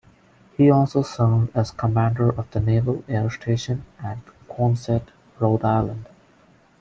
He also served as commander of the Naval Air Station at Quonset, Rhode Island.